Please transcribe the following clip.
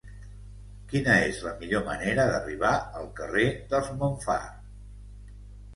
Quina és la millor manera d'arribar al carrer dels Montfar?